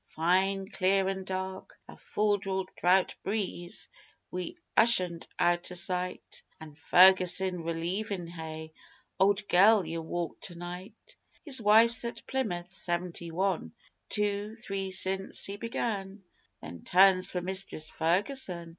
Fine, clear an' dark a full draught breeze, wi' Ushant out o' sight, An' Ferguson relievin' Hay. Old girl, ye'll walk to night! His wife's at Plymouth.... Seventy One Two Three since he began Three turns for Mistress Ferguson